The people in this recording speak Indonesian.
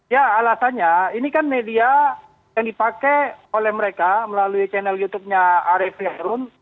ya alasannya ini kan media yang dipakai oleh mereka melalui channel youtubenya arief yarun